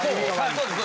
そうです